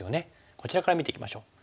こちらから見ていきましょう。